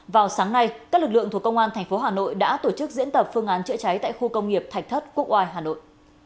vào sáng nay các lực lượng thuộc công an tp hà nội đã tổ chức diễn tập phương án chữa cháy tại khu công nghiệp thạch thất quốc oai hà nội